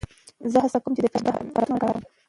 زه هڅه کوم د فشار عبارتونه ونه کاروم.